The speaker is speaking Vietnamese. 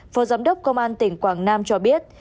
phó giám đốc công an tỉnh quảng nam cho biết